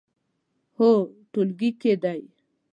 هو، ټولګي کې دی